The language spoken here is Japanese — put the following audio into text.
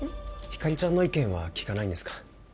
ひかりちゃんの意見は聞かないんですか？